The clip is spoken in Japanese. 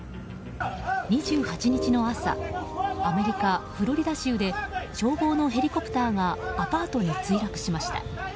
２８日の朝アメリカ・フロリダ州で消防のヘリコプターがアパートに墜落しました。